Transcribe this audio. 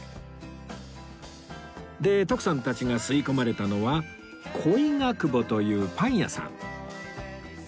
で徳さんたちが吸い込まれたのはコイガクボというパン屋さん